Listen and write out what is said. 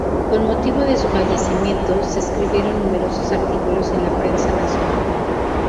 Con motivo de su fallecimiento, se escribieron numerosos artículos en la prensa nacional.